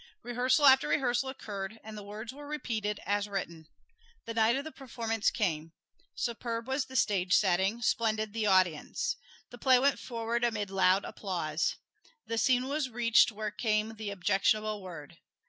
Rehearsal after rehearsal occurred, and the words were repeated as written. The night of the performance came. Superb was the stage setting, splendid the audience. The play went forward amid loud applause. The scene was reached where came the objectionable word.